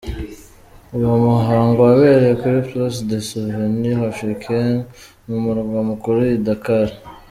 Uwo muhango wabereye kuri ’Place du Souvenir Africain’ mu murwa mukuru i Dakar.